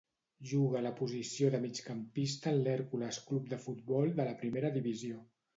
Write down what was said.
Juga a la posició de migcampista en l'Hèrcules Club de Futbol de la Primera divisió.